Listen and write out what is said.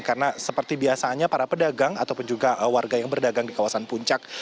karena seperti biasanya para pedagang ataupun juga warga yang berdagang di kawasan puncak